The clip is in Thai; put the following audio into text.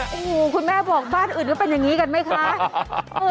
โอ้โหคุณแม่บอกบ้านอื่นว่าเป็นอย่างนี้กันไหมคะ